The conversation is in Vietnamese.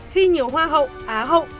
khi nhiều hoa hậu á hậu